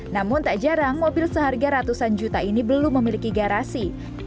namun tak jarang mobil seharga ratusan juta ini belum memiliki garasi